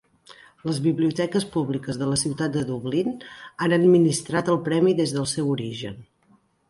Les biblioteques públiques de la ciutat de Dublín han administrat el premi des del seu origen.